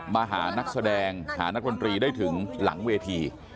มาหานักแสดงหานักดนตรีได้ถึงหลังเวที